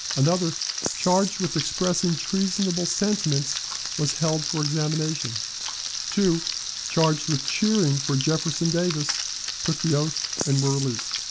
Another, charged with expressing treasonable sentiments, was held for examination. Two, charged with cheering for Jefferson Davis, took the oath and were released.